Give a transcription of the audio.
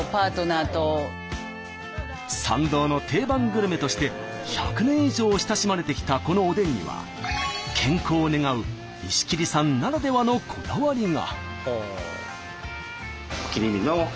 参道の定番グルメとして１００年以上親しまれてきたこのおでんには健康を願う石切さんならではのこだわりが。